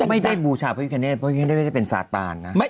ไม่ได้บูชาพระพิฆเนตพระพิฆเนตได้เป็นศาตาลนะ